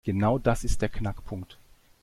Genau das ist der Knackpunkt.